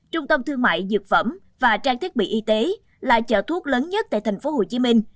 trung tâm thương mại dược phẩm và trang thiết bị y tế là chợ thuốc lớn nhất tại thành phố hồ chí minh